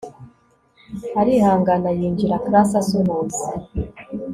arihangana yinjira class asuhuza